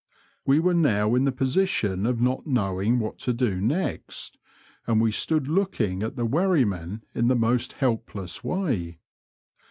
We were now in the position of not knowing what to do next, and we stood looking at the wherrymen in the most helpless way.